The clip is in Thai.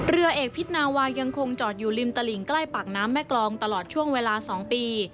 เรือเอกพิษนาวายังคงจอดอยู่ริมตลิงใกล้ปากน้ำแม่กรองตลอดช่วงเวลา๒ปี